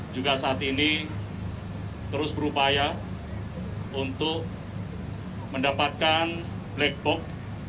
juga saat ini terus berupaya untuk mendapatkan black box